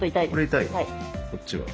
こっちは？